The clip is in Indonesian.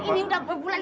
ini udah berbulan bulan